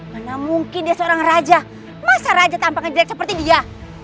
mana mungkin dia seorang raja masa raja tampaknya jelek seperti dia